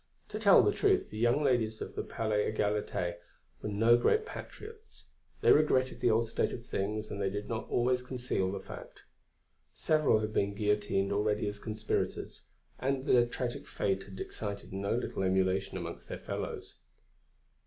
To tell the truth, the young ladies of the Palais Égalité were no great patriots. They regretted the old state of things and did not always conceal the fact. Several had been guillotined already as conspirators, and their tragic fate had excited no little emulation among their fellows.